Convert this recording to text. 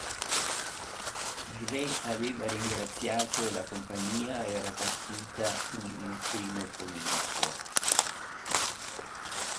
Il re aveva ringraziato e la compagnia era partita in primo pomeriggio